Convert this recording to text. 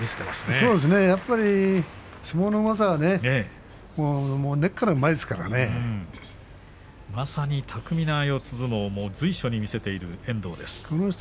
そうね、やっぱりね相撲のうまさはまさに巧みな四つ相撲を随所に見せている遠藤です。